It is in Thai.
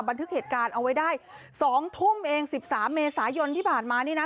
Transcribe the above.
บันทึกเหตุการณ์เอาไว้ได้๒ทุ่มเอง๑๓เมษายนที่ผ่านมานี่นะ